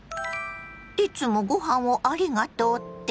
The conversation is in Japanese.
いつもごはんをありがとうって？